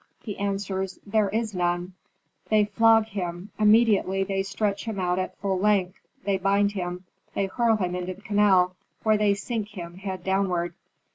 He answers, 'There is none.' They flog him; immediately they stretch him out at full length they bind him; they hurl him into the canal, where they sink him, head downward.